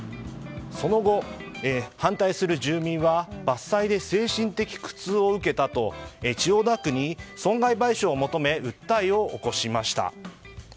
その後、反対する住民は伐採で精神的苦痛を受けたと千代田区に損害賠償を求め訴えを起こしました。